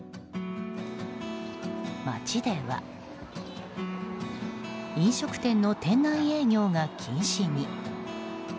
街では飲食店の店内営業が禁止に。